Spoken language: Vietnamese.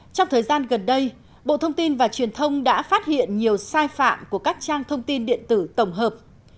trong thời gian gần đây bộ thông tin và truyền thông đã phát hiện nhiều sai phạm của các trang thông tin điện tử tổng hợp